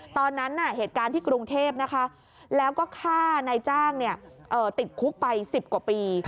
ตอนนั้นเหตุการณ์ที่กรุงเทพนะคะแล้วก็ฆ่านายจ้างติดคุกไป๑๐กว่าปี